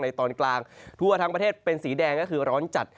ตอนกลางทั่วทั้งประเทศเป็นสีแดงก็คือร้อนจัด